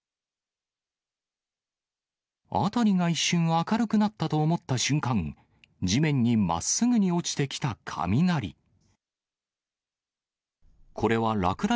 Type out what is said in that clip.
辺りが一瞬明るくなったと思った瞬間、地面にまっすぐに落ちてきた雷。